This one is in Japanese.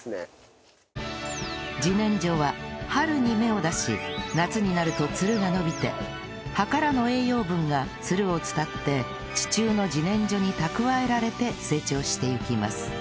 自然薯は春に芽を出し夏になるとツルが伸びて葉からの栄養分がツルを伝って地中の自然薯に蓄えられて成長していきます